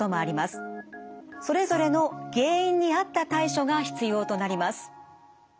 それぞれの原因に合った対処が必要となります。